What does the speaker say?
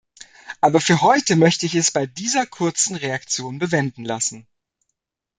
Aber für heute möchte ich es bei dieser kurzen Reaktion bewenden lassen.